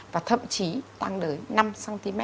và thậm chí tăng đến năm cm